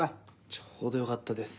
ちょうどよかったです